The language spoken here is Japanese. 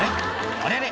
あれれ？